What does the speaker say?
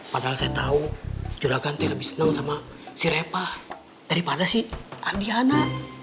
padahal saya tahu juragan tak lebih senang sama si reva daripada si adriana